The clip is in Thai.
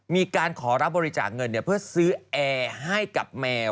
มีการขอรับบริจาคเงินเพื่อซื้อแอร์ให้กับแมว